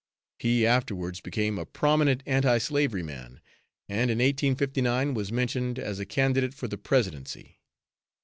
He afterwards became a prominent anti slavery man, and in 1859 was mentioned as a candidate for the presidency.